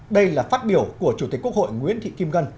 đây là phát biểu của chủ tịch quốc hội nguyễn thị kim ngân